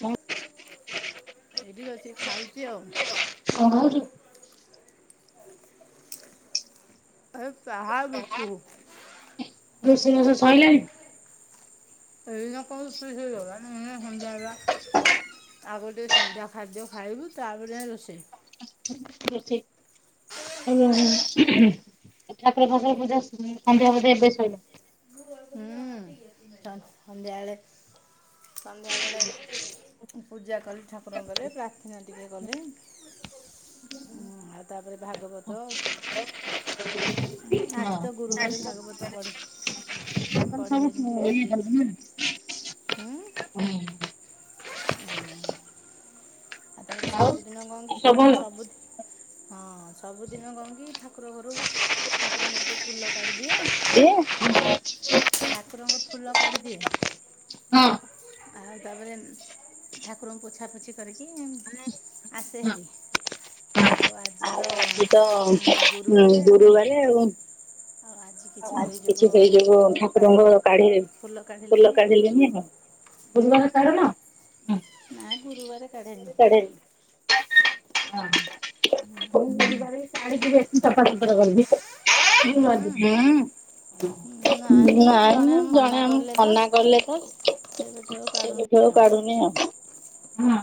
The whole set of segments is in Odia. କଣ ଏଇଠି ବସି ଖାଉଚି ଆଉ। ହଁ ଘରୁ [inaudible] ଆ ଚାହା ବିସ୍କୁଟ୍। ରୋଷେଇ ବାସ ସରିଲାଣି। ଏଇନା [unintelligible] ମେ ସନ୍ଧ୍ୟା ହେବା [inaudible] ଆଗ ଗୋଟେ ସନ୍ଧ୍ୟା ଖାଦ୍ୟ ଖାଇବୁ, ତାପରେ ଯାଇ ରୋଷେଇ। [inaudible] ଆଉ ଠାକୁର ଫାକୁର ପୂଜା ସନ୍ଧ୍ୟା ବୋଧେ ଏବେ ଶଇଲା। ହୁଁ। ସନ୍ଧ୍ୟାବେଳେ, ସନ୍ଧ୍ୟାବେେଳେ ପୂଜା କଲି ଠାକୁରଙ୍କରେ ପ୍ରାର୍ଥନା ଟିକେ କଲେ ଆଉ ତାପରେ ଭାଗବତ ଆଜି ହଁ ତ ଗୁରୁବାର ଭାଗବତ ପଢି ପଢିଲେ [unintelligible] ହଁ [unintelligible] ହୁଁ ଆଉ ତାପରେ ସବୁଦିନ କଣ କି ସବୁ ହଁ ସବୁଦିନ କଣ କି ଠାକୁର ଘରୁ ଠାକୁରଙ୍କର ଟିକେ ଫୁଲ କାଢିଦିଏ। [inaudible] ଠାକୁରଙ୍କ ଫୁଲ କାଢି ଦିଏ ହଁ। ଆଉ ଆଉ ତାପରେ ଠାକୁରଙ୍କୁ ପୋଛାପୋଛି କରିକି [unintelligible] ଆସେ ହେରି। ଆଉ ଆଜି ତ ଆଜି ତ ଗୁରୁବାରେ ଆଉ ଆଉ ଆଜି। କିଛି ଉ ଆଜି ସେଇ କିଛି ଯୋଗୁଁ ହେଇଯିବ ଠାକୁରଙ୍କର କାଢ଼ି ଠାକୁରଙ୍କ କାଢି ଫୁଲ ଫୁଲ କାଢ଼ିଲିନି କାଢିଲେନି ଆଉ ଫୁଲ କାଢିନ ନା ଗୁରୁବାର କାଢ଼େନି କାଢିନି [unintelligible] ହଁ ନାଇଁ ମୁଁ ଜଣେ ମନା ଆମ କଲେ ତ ମନା କଲେ ତ ସେବେଠୁ କାଢୁନି ଆଉ ନି ଆଉ ହଁ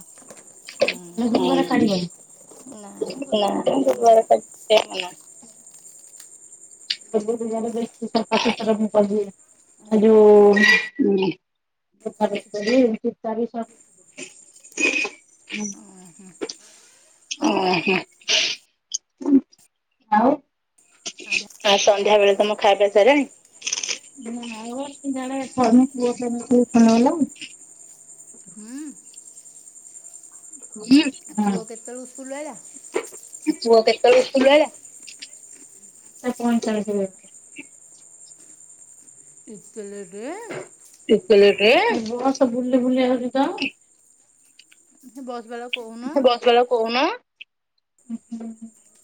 ହୁଁ ନା ଗୁରୁବାର କାଢ଼ିବା ମନା [unintelligible] ସବୁ ଦିନରେ ବେଶୀ ସଫାଶୁତର ମୁଁ କିରିଦିଏ। ଆଉ ଯୋଉ [unintelligible] ଁ [unintelligible] ଓହୋ ଆଉ। ଆଉ ସନ୍ଧ୍ୟାବେଳେ ତମ ଖାଇବା ପିଇବା ସାରିଲାଣି? [unintelligible] ହୁଁ ହୁଁ। ପୁଅ କେତେବେଳୁ ସ୍କୁଲରୁ ଆଇଲା? ପୁଅ କେତେବେଲୁ ସ୍କୁଲରୁ ଆଇଲା ଏ ପଇଁଚାଳସିରେ। ଏତେ ଲେଟରେ। ବସ ବୁଲି ବୁଲି ଆଉଛି ତ। ବସ ବାଲାକୁ ସେ ବସ ବାଲାକୁ କହୁନ।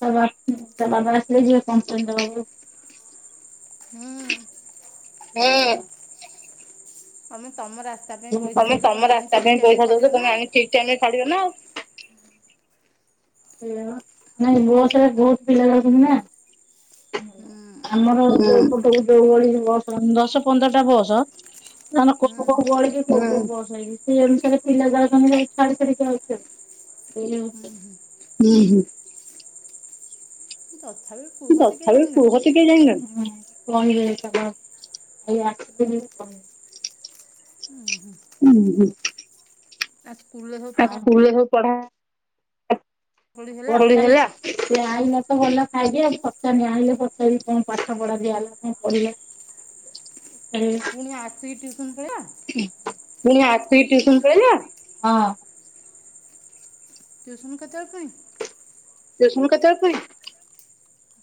ତା ବାବା ଆସିଲେ ଯିବେ କଂପ୍ଲେନ୍ ଦବାକୁ। [inaudible] ହୁଁ। ତମେ ତମର ଆ ହୁ ତମେ ତମ ରାସ୍ତା ପାଇଁ ପଇସା ଦଉଛ ନା ତମେ ଆଉ। ଆଣ ଠିକ ଟାଇମ ରେ ଛାଡିବ ନା ନାଇଁ ବସରେ ବହୁତ ପିଲା ଯାଉଛନ୍ତି ନା। ହୁଁ। ଆମର ଦଶ ପନ୍ଦରଟା ବସ ନହଲେ ହୁଁ କଣ ଗହଳିକି ହୁଁ [unintelligible] ସେ ଅନୁସାରେ ପିଲା ଜାଉଛନ୍ତି ଛାଡି ଛାଡିକି ଆଉଛି ହୁଁ ଆଉ। ହୁଁ। ହୁଁ। ତଥାପି କୁହ ଟିକେ ତଥାପି ଯାଇଁଲନି କୁହ ଟିକ ଯାଇଲାନି [inaudible] ହୁଁ ହୁଁ। ଆଉ ସ୍କୁଲରେ ସବୁ ଆ ପଢ଼ାପଢ଼ି ସ୍କୁଲରେ ସବୁ ପଢା ହେଲା [unintelligible] ସେଆଇଲା ତ ଗଲା ଖାଇକି ଆଉ ପଚାରିନି ଆଇଲେ ପଚାରିବି କଣ ପାଠ ପଢା ଦିଆ ହେଲା କଣ କହିବ। ହ [unintelligible] [unintelligible] ପୁଣି ଆସିକି ଟ୍ୟୁସନ୍ ପଳେଇଲା? ହଁ। ଟ୍ୟୁସନ କେତେବେଳେ ଫୁଣି? ଟ୍ୟୁସନ କେତେବେଳେ ଫୁଣି?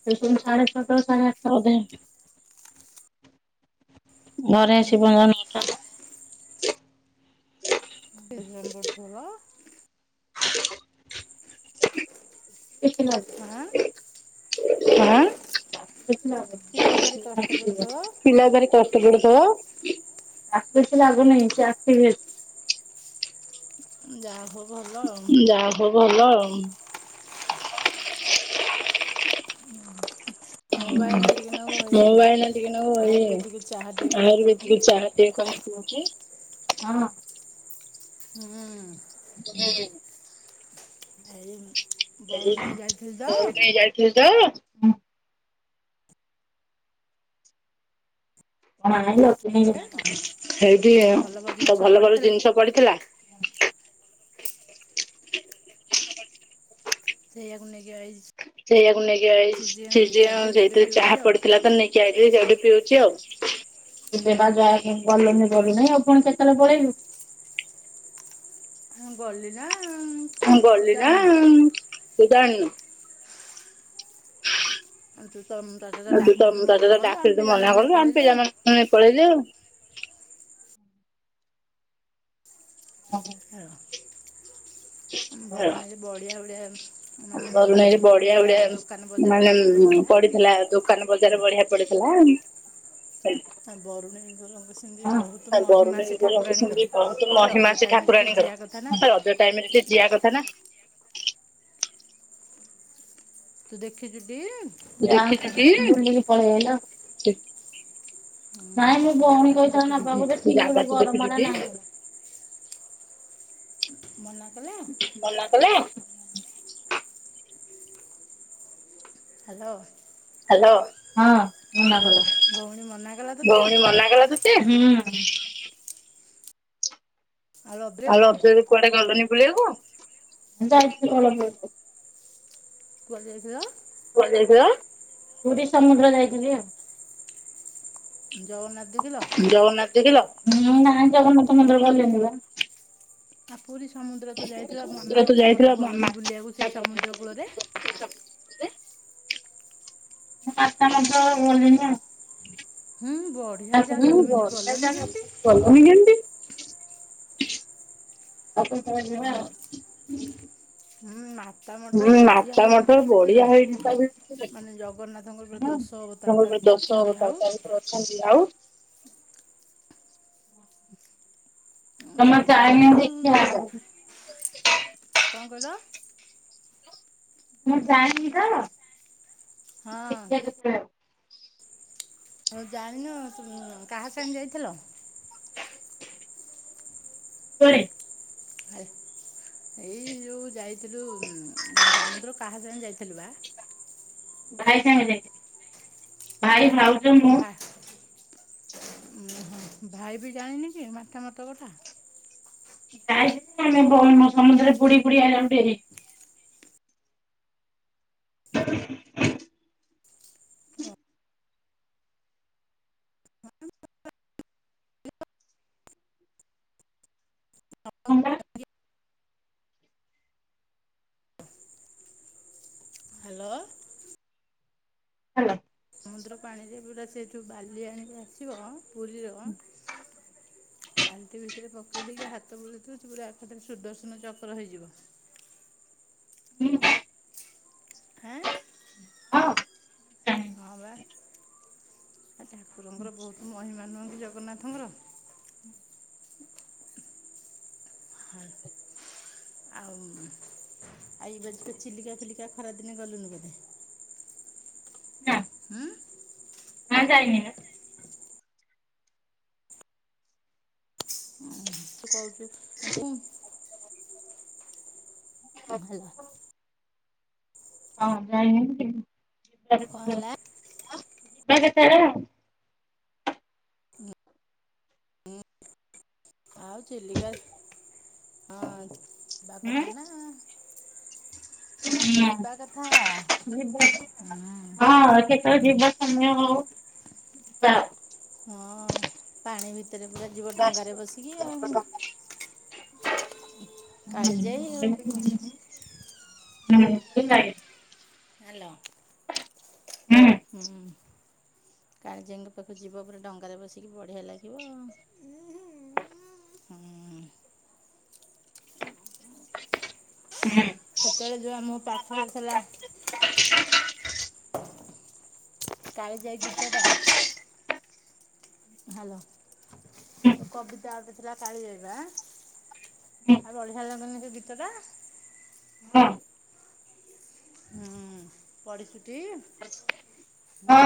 ଟିଉସନ୍ ସାଢେ ଛଅଟାରୁ ସାଢ଼େ ଆଠଟା ବୋଧେ। ଘରେ ଆସିକି ପହଞ୍ଚିଲାବେଳକୁ ନଅଟା। ଏ ଲେମ୍ବୁ ଝୋଳ। ଆଁ [unintelligible] ହାଁ ପିଲା ଭାରି କଷ୍ଟ ପଡ଼ୁଥିବ ପିଲା ଭାରି କଷ୍ଟ ତାକୁ କିଛି ଲାଗୁନି ସେ ଆକ୍ଟିଭ ଅଛି। ଯାହା ହୋଉ ଭଲ ଆଉ। ଯାହା ହୋଉ ଭଲ ଆଉ। ଓହୋ। ମୁଁ ପା ଏଇନା ଟିକେ ନାକୁ ମୁଁ ଏଇ ବା ଏଇନା ଟିକେ ନାକୁ ଏଇ ଆୟୁର୍ବେଦିକ ଚାହା ଟିକେ କରି ଆୟୁର୍ବେଦିକ ପିଉଛି। ଚାହା ହଁ। ହୁଁ। [unintelligible] ଏଇ ବରୁଣେଇ ଯାଇଥିଲି ତ [unintelligible] [unintelligible] ସେଇଠି ସବୁ ଭଲ ତ ଜିନିଷ ଭଲ ଭଲ ପଡ଼ିଥିଲା ଜିନିଷ ପଡ଼ିଥିଲା। ସେଇଆକୁ ନେଇକି ଆଇ ସେଇଆକୁ ନେଇକି ଆଇଛି ସିଝେଇକି ଯେ ଆଇଥିଲି ସେଇଠୁ ସେଇଥିରେ ପିଉଛି ଚାହା ପଡ଼ିଥିଲା ତ ନେଇକି [unintelligible] ସେଉଠୁ ପିଉଛି ଆଉ। [unintelligible] ଆଉ ପୁଣ କେତେବେଳେ ପଳେଇଲୁ? ହଁ ଗଲି ନା। ତୁ ଗଲି ନା ଜାଣିନୁ ତୁ ଜାଣିନୁ। ତୁ ତ ତତେ ଆ ତ ଡାକିଲି ତୁ ତତେ ମନା ତ କଲୁ ଆମ ଡାକିଲି ତୁ ପିଲାମାନେ ମନା ନେଇ କଲୁ ଆମ ପଳେଇଲେ ଆଉ ପିଲାମାନଙ୍କୁ ନେଇକି ପଳେଇଲି ଆଉ। ହଉ ବରୁଣେଇ ରେ ବଢ଼ିଆ ବଢି଼ଆ ବରୁଣେଇ ରେ ବଢ଼ିଆ ବଢ଼ିଆ ବଜାର ବଢ଼ିଆ ମାନେ ପଡ଼ିଥିଲା ପଡିଥିଲା ଦୋକାନ ବଜାର ହେଲା ବଢ଼ିଆ ପଡ଼ିଥିଲା। ଆ ବରୁଣେଇଙ୍କର ସେମିତି ବହୁତ ମହିମା ସେ ବରୁଣେଇଙ୍କର ବି ସେମିତି ବହୁତ ଠାକୁରାଣୀଙ୍କର। ମହିମା ରଜ ସେ ଟାଇମ୍ ରେ ଟିକେ ଠାକୁରାଣୀଙ୍କର। ଯିଆ କଥା ନା। ରଜ ଟାଇମ ରେ ଟିକେ ଯିଆ କଥା ନା। ତୁ ଦେଖିଛୁ ଟି? ବୁଲିକି ପଳେଇ ଆଇଲ। ନାଇଁ ମୋ ସେ ଜାଗା ଭଉଣୀ ତୁ କହିଥିଲା ଦେଖିଛୁ ଟି ନବାକୁ ଯେ। [unintelligible] ମନା କଲା? ମନା କଲା? ହ୍ୟାଲୋ। ହ୍ୟାଲୋ? ହଁ ମନା ଭଉଣୀ ମନା କଲା। ତୋତେ ଭଉଣୀ ମନା କଲା ତ ତତେ? ହଁ। ଆଉ ରଜ ରେ କୁଆଡ଼େ ଗଲନି ବୁଲିବାକୁ? ଯାଇଥିଲୁ। [unintelligible] କୁଆଡ଼େ ଯାଇଥିଲ? କୁଆଡ଼େ ଯାଇଥିଲ? ପୁରୀ ସମୁଦ୍ର ଯାଇଥିଲି ଆଉ। ଜଗନ୍ନାଥ ଦେଖିଲ? ଜଗନ୍ନାଥ ଦେଖିଲ? ନାଇଁ ଜଗନ୍ନାଥ ମନ୍ଦିର ଗଲେନି ବା। ଆଉ ପୁରୀ ସମୁଦ୍ର ତ ଯାଇଥିଲ ମନ୍ଦିର ତୁ ମାତା ଯାଇଥିଲ ମଠ ମା ଗଲନି ବୁଲିବାକୁ ସେଇ ସମୁଦ୍ର କୂଳରେ। ମାତା ମଠ ଗଲିନି ଆଉ। [unintelligible] ହୁଁ ବଢ଼ିଆ ଜାଗା ଗଲନି ତମେ ଯ- ଗଲନି କେମିତି କେମିତି? ଆଉ କେତେବେଳେ ଯିବା ଆଉ। ହେଲା ହୁଁ ମା ତା ମଠ ବଢ଼ିଆ ମାତା ହେଇଚି ମଠ ତା ଭିତରେ। ବଢିଆ ହେଇନି ତା ଭିତରେ। ମାନେ ଜଗନ୍ନାଥଙ୍କର ପୁରା ଦଶ ଅବ ତାର ତା ଭିତରେ ଅଛନ୍ତି ଆଉ ରେ ଅଛନ୍ତି ଆଉ ଜମା ଯାଇଥାନ୍ତ ଯାଇନି ନା ଦେଖିବା ଯାଇଥ କଣ କହିଲ? ମୁଁ ଜାଣିନି ତ ହଁ ଦେଖିବା। [unintelligible] ହଉ ଜାଣିନ, କାହା ସାଙ୍ଗେ ଯାଇଥିଲ? କୁଆଡେ଼? ଆ ଏଇ ଯୋଉ ଯାଇଥିଲୁ ସମୁଦ୍ର କାହା ସାଙ୍ଗରେ ଯାଇଥିଲୁ ବା? ଭାଇ ସାଙ୍ଗରେ ଯାଇଥିଲି ଭାଇ, ଭାଉଜ ମୁଁ ଭାଇ ଭାଇ ବି ଜାଣିନି କି ମାତାମଠ କଥା? [unintelligible] ଆମେ ସମୁଦ୍ରରେ ବୁଡ଼ି ବୁଡ଼ି ଆଇଲା ବେଳକୁ ଡେରି [inaudible] ହଁ ବା। ହ୍ୟାଲୋ? ହାଲୋ। ସମୁଦ୍ର ପାଣିରେ ପୁରା ସେଇଠୁ ବାଲି ଆଣିକି ଆସିବ ପୁରୀର ବାଲ୍ଟି ଭିତରେ ପକେଇ ଦେଇକି ହାତ ବୁଳେଇଥିବ ସେ ପୁରା ଏକାଥରେ ସୁଦର୍ଶନ ଚକ୍ର ହେଇଯିବ। ହୁଁ। ଆଁ? ହଁ ହଁ ନା ବା ଆ ଠାକୁରଙ୍କର ବହୁତ୍ ମହିମା ନୁହଁ କି ଜଗନ୍ନାଥଙ୍କର। ହଁ ଆଉ ଆଇ [unintelligible] ଚିଲିକା ଫିଲିକା ଖରାଦିନେ ଗଲୁନି ବୋଧେ? ନା। ଉଁ? ନା ଯାଇନି ନା। ତୁ କହୁଚୁ [unintelligible] ହେଲା। ହଁ ଯାଇନି, କ'ଣ ହେଲା ଯିବା କେତେଳେ ଆଉ। ଆଉ ଚିଲିକା ହଁ ଯିବା କଥା ନା। ହଁ ଯିବା କଥା। ଯିବା କଥା, ହୁଁ। ହଁ କେ ତ ଯିବ ସମୟ ହଉ। ହଁ ପାଣି ଭିତେରେ ପୁରା ଯିବ ଡଙ୍ଗାରେ ବସିକି ଆଉ। କାଳିଜାଇ ଆଉ [inaudible] ହାଲୋ। ହୁଁ। ହୁଁ। କାଳିଜାଈଙ୍କ ପାଖୁକୁ ଯିବ ପୁରା ଡଙ୍ଗାରେ ବସିକି ବଢିଆ ଲାଗିବ ଆଉ। ସେତେବେଳେ ଯୋଉ ଆମ ପାଖେରେ ଥେଲା। କାଳିଜାଈ ଗୀତ ଟା। ହାଲୋ, ଯୋଉ କବିତା ଗୋଟେ ଥିଲା କାଳିଜାଈ ବା। ଆଉ ବଢିଆ ଲାଗୁନି ସେ ଗୀତ ଟା? ହୁଁ, ପଢିଚୁଟି ହୁଁ।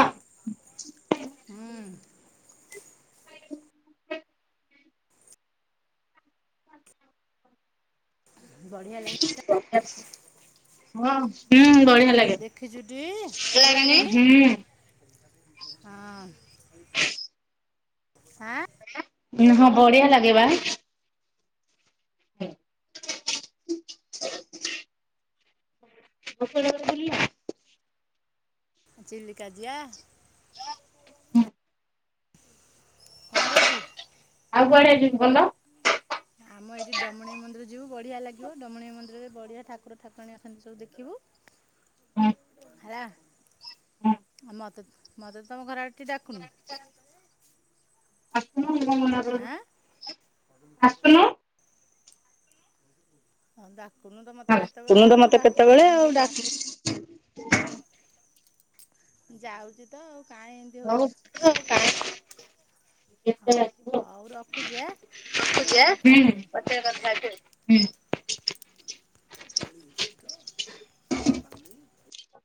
ହୁଁ। ବଢିଆ ଲାଗେ? ହଁ-ହୁଁ ବଢିଆ ଲାଗେ। ଦେଖିଚୁ ଟି, ଭଲ ଲାଗେନି? ହଁ। ହଁ ବଢିଆ ଲାଗେ ବା। ହୁଁ। ଆଉ କୁଆଡେ-କୁଆଡେ ବୁଲିଲ? ଚିଲିକା ଯିଆ। କଣ କହୁଚୁ? ଆଉ କୁଆଡେ [unintelligible] ଗଲ? ଆମ ଏଇଠି ଡମଣେଇ ମନ୍ଦିର ଯିବୁ ବଢ଼ିଆ ଲାଗିବ, ଡମଣେଇ ମନ୍ଦିରରେ ବଢିଆ ଠାକୁର ଠାକୁରାଣୀ ଅଛନ୍ତି ସବୁ ଦେଖିବୁ। ହେଲା ମତେ-ମତେ ତମ ଘର ଆଡେ ଟିକେ ଡାକୁନୁ। ଆଁ? ଆସୁନୁ। ହଁ ଡାକୁନୁ ତ ମତେ କେତେବେଳେ ତୁମେ ତ ଆଉ ମତେ ଡାକିଲେ କେତେବେଳେ ସିନା ମୁଁ ଆଉ ଟିକେ ଯା ଡାକୁଚ ଯାଉଚି ତ ଆଉ କାଇଁ [unintelligible] ହଉ କେତେବେଳେ ଆସିବୁ ଆଉ। ହଉ ରଖୁଚି ଆଁ ରଖୁଛି ପଛେରେ ଆଁ କଥା ହୁଁ। ହେବି ଆଉ। ହୁଁ। [inaudible]